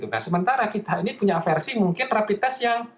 nah sementara kita ini punya versi mungkin rapid test yang